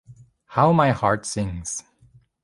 How My Heart Sings!